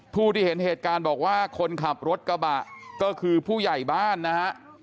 ผู้ที่เห็นเหตุการณ์บอกว่าคนขับรถกระบะก็คือผู้ใหญ่บ้านนะฮะ